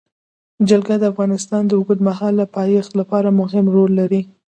جلګه د افغانستان د اوږدمهاله پایښت لپاره مهم رول لري.